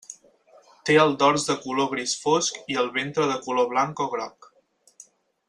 Té el dors de color gris fosc i el ventre de color blanc o groc.